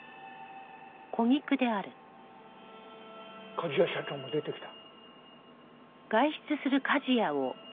梶谷社長も出てきた。